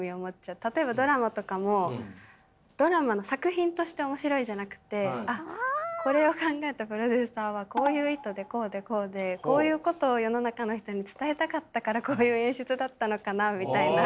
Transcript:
例えばドラマとかもドラマの作品として面白いじゃなくてあっこれを考えたプロデューサーはこういう意図でこうでこうでこういうことを世の中の人に伝えたかったからこういう演出だったのかなみたいな。